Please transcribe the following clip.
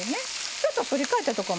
ちょっと反り返ったとこもね